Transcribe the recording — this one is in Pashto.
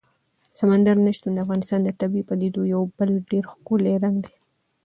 سمندر نه شتون د افغانستان د طبیعي پدیدو یو بل ډېر ښکلی رنګ دی.